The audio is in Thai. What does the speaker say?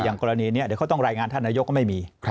กรณีนี้เดี๋ยวเขาต้องรายงานท่านนายกก็ไม่มี